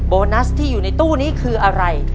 โบนัสที่อยู่ในตู้นี้คืออะไร